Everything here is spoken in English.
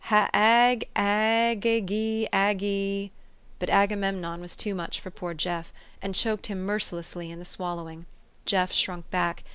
H a g, Ag, g ygy Aggy" But Agamemnon was too much for poor Jeff, and choked him mercilessly in the swallowing. Jeff shrunk back.